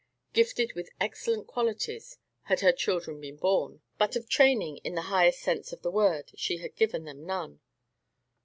Gifted with excellent qualities had her children been born; but of training, in the highest sense of the word, she had given them none.